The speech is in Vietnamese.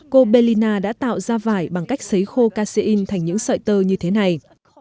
cô bolina đã tạo ra vải bằng cách sấy khô casein thành những sợi tơ như thế này